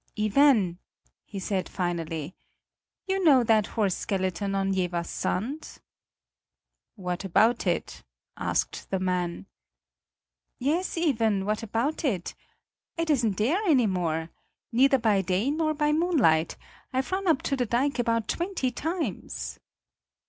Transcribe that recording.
"Iven," he said finally, "you know that horse skeleton on Jeverssand." "What about it?" asked the man. "Yes, Iven, what about it? It isn't there any more? neither by day nor by moonlight; I've run up to the dike about twenty times."